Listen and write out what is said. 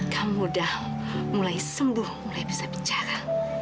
kamu udah mulai sembuh mulai bisa bicara